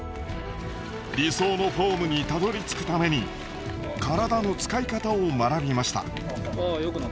理想のフォームにたどりつくために体の使い方を学びました。